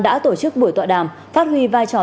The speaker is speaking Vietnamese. đã tổ chức buổi tọa đàm phát huy vai trò